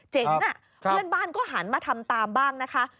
เพื่อนบ้านก็หันมาทำตามบ้างนะคะ